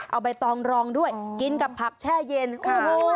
เอาไปตองรองด้วยกินกับผักแช่เย็นค่ะ